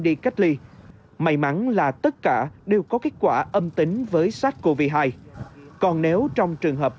đi cách ly may mắn là tất cả đều có kết quả âm tính với sars cov hai còn nếu trong trường hợp